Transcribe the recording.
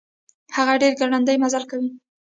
هغه ډير ګړندی مزل کوي.